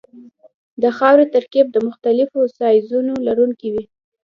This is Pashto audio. د خاورې ترکیب د مختلفو سایزونو لرونکی وي